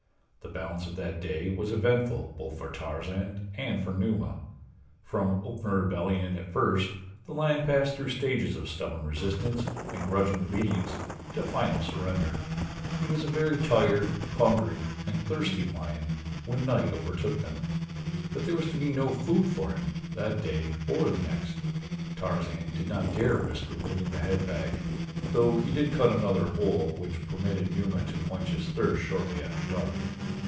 The balance of that day was eventful both for Tarzan and for Numa. From open rebellion at first the lion passed through stages of stubborn resistance and grudging obedience to final surrender. He was a very tired, hungry, and thirsty lion when night overtook them; but there was to be no food for him that day or the next Tarzan did not dare risk removing the head bag, though he did cut another hole which permitted Numa to quench his thirst shortly after dark.